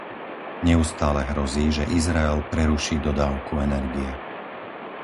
Neustále hrozí, že Izrael preruší dodávku energie.